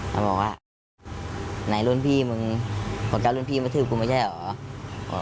เขาบอกว่าไหนรุ่นพี่มึงพอเจ้ารุ่นพี่มาทืบกูไม่ใช่เหรอ